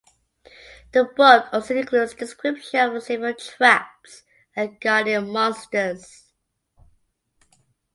The book also includes descriptions of several traps and guardian monsters.